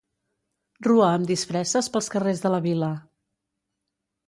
Rua amb disfresses pels carrers de la vila.